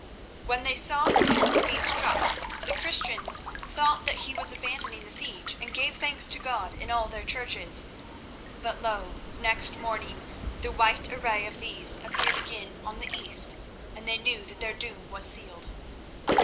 When they saw the tents being struck the Christians thought that he was abandoning the siege, and gave thanks to God in all their churches; but lo! next morning the white array of these appeared again on the east, and they knew that their doom was sealed.